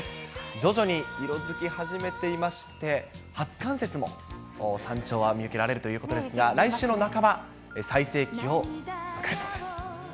徐々に色づき始めていまして、初冠雪も、山頂は見受けられるということですが、来週の半ば、最盛期を迎えそうです。